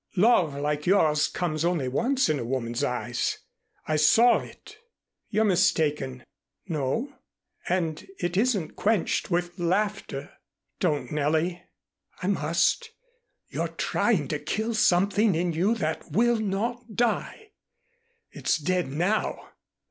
Love like yours comes only once in a woman's eyes. I saw it " "You're mistaken." "No. And it isn't quenched with laughter " "Don't, Nellie." "I must. You're trying to kill something in you that will not die." "It's dead now."